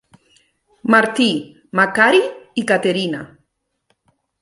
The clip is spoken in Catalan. Martí, Macari i Caterina.